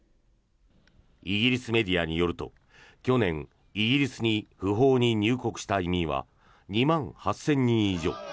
イギリスメディアによると去年、イギリスに不法に入国した移民は２万８０００人以上。